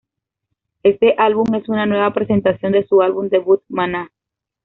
Este álbum es una nueva presentación de su álbum debut, "Maná".